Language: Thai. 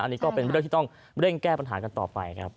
อันนี้ก็เป็นเรื่องที่ต้องเร่งแก้ปัญหากันต่อไปครับ